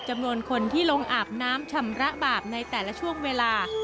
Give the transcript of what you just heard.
จำนวนคนที่ลงอาบน้ำชำระบาปในแต่ละช่วงเวลา